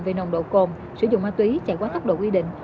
về nồng độ cồn sử dụng ma túy chạy quá tốc độ quy định